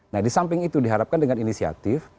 nah di samping itu diharapkan dengan inisiatif